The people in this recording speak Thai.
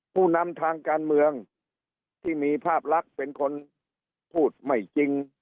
ผู้นำทางการเมืองที่มีภาพลักษณ์เป็นคนพูดไม่จริง